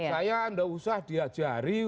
saya tidak usah diajari